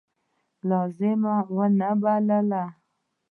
لازمه ونه بلله.